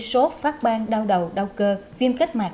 sốt phát bang đau đầu đau cơ viêm kết mạc